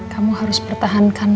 kamu harus pertahankan